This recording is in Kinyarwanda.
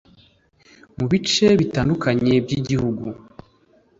Mu bice bitandukanye by’igihugu